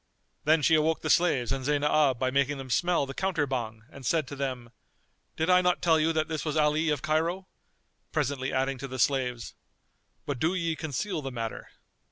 Then she awoke the slaves and Zaynab by making them smell the counter Bhang and said to them, "Did I not tell you that this was Ali of Cairo?"; presently adding to the slaves, "But do ye conceal the matter."